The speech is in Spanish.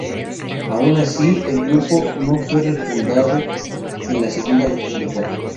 Aun así, el grupo no fue refundado en la Segunda República.